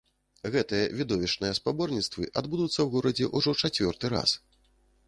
Гэтыя відовішчныя спаборніцтвы адбудуцца ў горадзе ўжо чацвёрты раз.